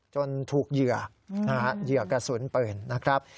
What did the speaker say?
จนถูกเหยื่อเหยื่อกระสุนปืนนะครับ